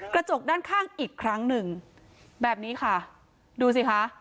กระจกด้านข้างอีกครั้งหนึ่งแบบนี้ค่ะดูสิคะ